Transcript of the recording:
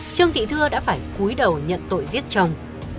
trương thị thưa đã phải cuối đầu nhận tội giết chồng